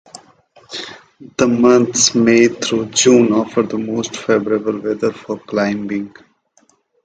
The months May through June offer the most favorable weather for climbing.